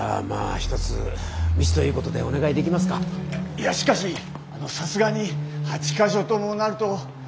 いやしかしさすがに８か所ともなると。